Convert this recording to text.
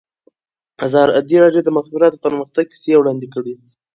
ازادي راډیو د د مخابراتو پرمختګ کیسې وړاندې کړي.